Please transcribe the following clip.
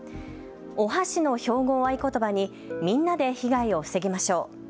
おはしの標語を合言葉にみんなで被害を防ぎましょう。